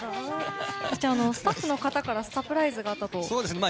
スタッフの方からサプライズがあったと聞きました。